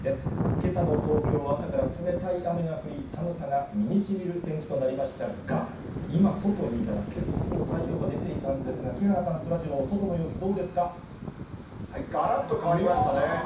けさの東京は、朝から冷たい雨が降り、寒さが身にしみる天気となりましたが、今、外見たら、結構太陽が出ていたんですが、木原さん、そらジロー、外の様子、がらっと変わりましたね。